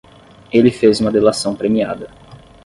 Ele fez uma delação premiada